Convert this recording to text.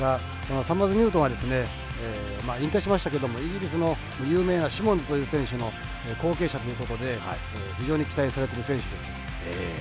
サマーズニュートンは引退しましたけれどもイギリスの有名なシモンズという選手の後継者ということで非常に期待されている選手です。